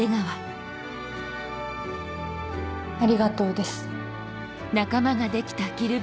ありがとうです。